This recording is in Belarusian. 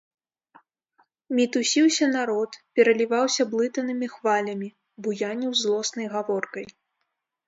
Мітусіўся народ, пераліваўся блытанымі хвалямі, буяніў злоснай гаворкай.